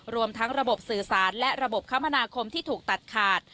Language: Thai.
รวมทั้งระบบสื่อสารและระบบคมนาคมที่ถูกตัดขาด